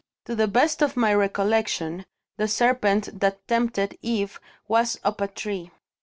To the best of my recollection, the serpent that tempted Eve was up a tree.